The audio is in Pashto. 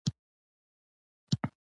کچالو له میلمانه سره هم ورکول کېږي